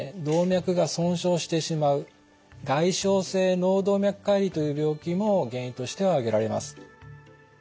動脈が損傷してしまう外傷性脳動脈解離という病気も原因としては挙げられます。